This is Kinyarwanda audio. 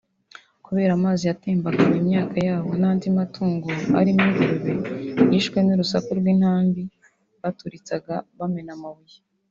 kubera amazi yatembaganye imyaka yabo n’andi matungo arimo ingurube yishwe n’urusaku rw’intambi baturitsaga bamena amabuye